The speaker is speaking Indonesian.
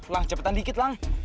lang cepetan dikit lang